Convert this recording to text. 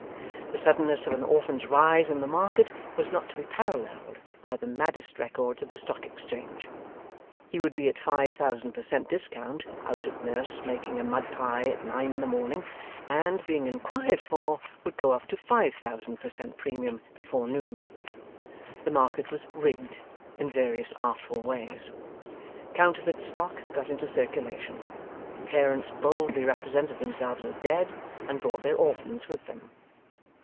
The suddenness of an orphan's rise in the market was not to be paralleled by the maddest records of the Stock Exchange. He would be at five thousand per cent discount out at nurse making a mud pie at nine in the morning, and (being inquired for) would go up to five thousand per cent premium before noon. The market was 'rigged' in various artful ways. Counterfeit stock got into circulation. Parents boldly represented themselves as dead, and brought their orphans with them.